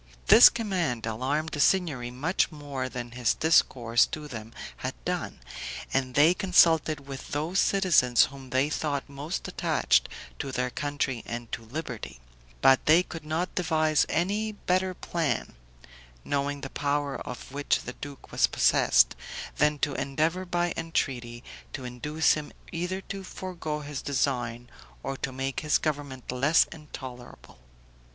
This command alarmed the Signory much more than his discourse to them had done, and they consulted with those citizens whom they thought most attached to their country and to liberty; but they could not devise any better plan, knowing the power of which the duke was possessed, than to endeavor by entreaty to induce him either to forego his design or to make his government less intolerable.